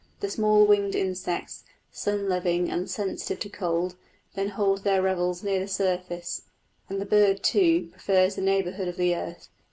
The small winged insects, sun loving and sensitive to cold, then hold their revels near the surface; and the bird, too, prefers the neighbourhood of the earth.